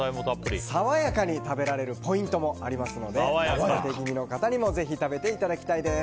爽やかに食べられるポイントもありますので夏バテ気味の方にもぜひ食べていただきたいです。